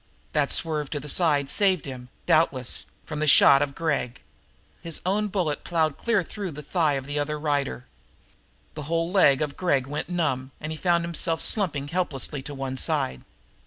That swerve to the side saved him, doubtless, from the shot of Gregg; his own bullet plowed cleanly through the thigh of the other rider. The whole leg of Gregg went numb, and he found himself slumping helplessly to one side.